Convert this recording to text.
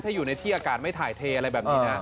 ถ้าอยู่ในที่อากาศไม่ถ่ายเทอะไรแบบนี้นะ